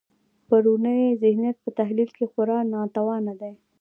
پرونی ذهنیت په تحلیل کې خورا ناتوانه دی.